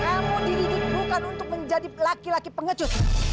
kamu dididik bukan untuk menjadi laki laki pengecut